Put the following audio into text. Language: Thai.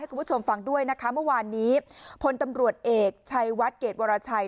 คุณผู้ชมฟังด้วยนะคะเมื่อวานนี้พลตำรวจเอกชัยวัดเกรดวรชัย